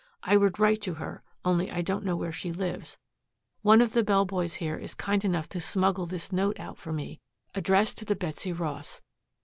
I would write to her, only I don't know where she lives. One of the bell boys here is kind enough to smuggle this note out for me addressed to the Betsy Boss.